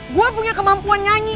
gue punya kemampuan nyanyi